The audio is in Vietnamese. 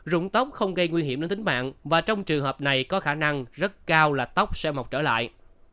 rụng tóc không gây nguy hiểm đến tính mạng và trong trường hợp này có khả năng rất cao là tóc sẽ mọc trở lại